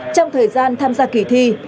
trong thời gian tham gia kỳ thi